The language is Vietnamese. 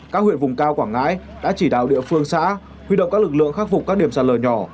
các huyện vùng cao quảng ngãi đã chỉ đạo địa phương xã huy động các lực lượng khắc phục các điểm sạt lở nhỏ